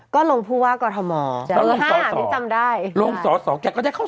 ก็ลงผู้ว่าก่อธมอล์ถ้าไม่จำได้ลงสสแกก็ได้เข้า